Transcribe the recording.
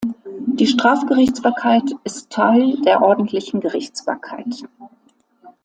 Die Strafgerichtsbarkeit ist Teil der ordentlichen Gerichtsbarkeit.